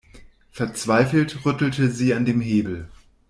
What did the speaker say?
Verzweifelt rüttelte sie an dem Hebel.